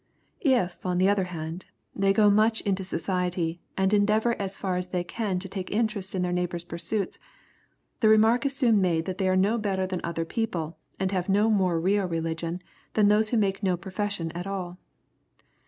If, on the other hand, they go much into society, and endeavor as far as they can to take interest in their neighbor's pursuits, the remark is soon made that they are no better than other people, and have no more real religion than those who make no profession at all.